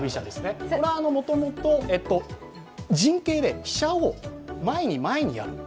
もともと、陣形で飛車を前に前にやる。